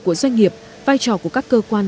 của doanh nghiệp vai trò của các cơ quan